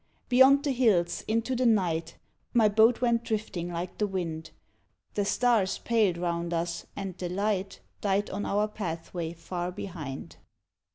Beyond the hills, into the night My boat went drifting like the wind, The stars paled round us, and the light Died on our pathway far behind.